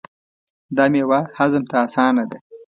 دا میوه هضم ته اسانه ده.